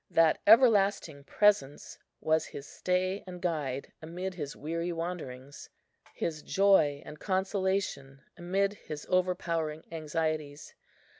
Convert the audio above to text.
That Everlasting Presence was his stay and guide amid his weary wanderings, his joy and consolation amid his overpowering anxieties.